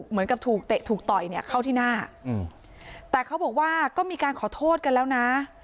เหมือนกับถูกเตะถูกต่อยเนี่ยเข้าที่หน้าแต่เขาบอกว่าก็มีการขอโทษกันแล้วนะ